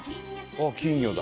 あっ金魚だ。